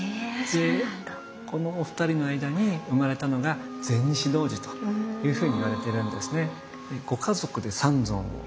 このお二人の間に生まれたのが善膩師童子というふうにいわれているんですね。